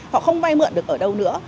họ không vay mượn được ở đâu nữa